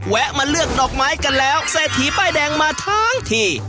มาเลือกดอกไม้กันแล้วเศรษฐีป้ายแดงมาทั้งที